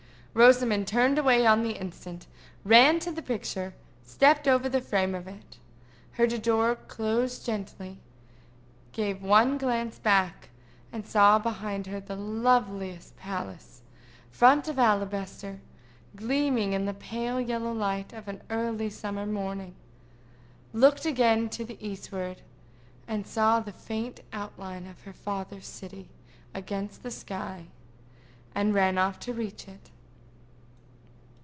Rosamond turned away on the instant, ran to the picture, stepped over the frame of it, heard a door close gently, gave one glance back, saw behind her the loveliest palace front of alabaster, gleaming in the pale yellow light of an early summer morning, looked again to the eastward, saw the faint outline of her father's city against the sky, and ran off to reach it.